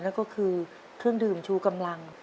นั่นก็คือเครื่องดื่มชูกำลัง